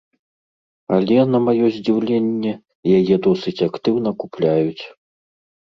Але, на маё здзіўленне, яе досыць актыўна купляюць.